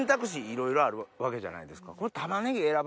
いろいろあるわけじゃないですか。